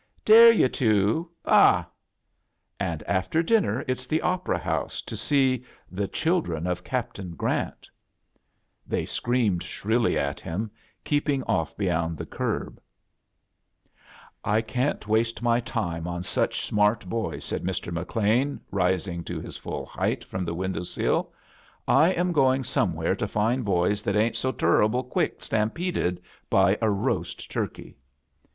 "Dare you tol Ahl" "And after dinner it's the Opera hoose, to see 'The Children of Captain Grant '1" They screamed stirilly at him, keef^ng ;off beyond the ctn b. A JOURNEY IN SEARCH OF CHRISTMAS "1 can't waste my time on such smart boys," said Mr. McLean» rising to his full height from the window riH. I am going somewhere to find boys that ain't so tur ruble qtfick stampeded by a roast turkey."